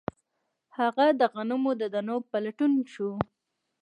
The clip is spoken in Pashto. هغه د غنمو د دانو په لټون شو